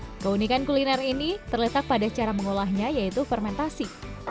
hai keunikan kuliner ini terletak pada cara mengolahnya yaitu fermentasi